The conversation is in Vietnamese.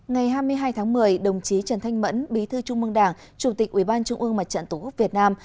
ngày hai mươi hai tháng một mươi đồng chí trần thanh mẫn bí thư trung mương đảng chủ tịch ubnd mặt trận tổ quốc việt nam